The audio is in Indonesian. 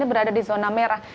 berada di zona merah